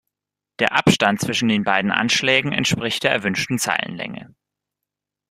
Der Abstand zwischen den beiden Anschlägen entspricht der erwünschten Zeilenlänge.